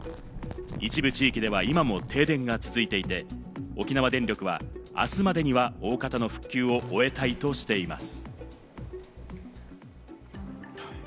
一部地域では今も停電が続いていて、沖縄電力はあすまでには、おおかたの復旧を終えたいとしています。